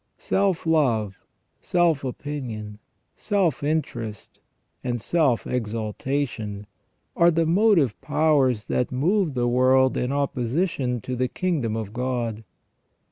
Self love, self opinion, self interest, and self exaltation are the motive powers that move the world in opposition to the kingdom of God.